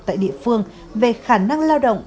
tại địa phương về khả năng lao động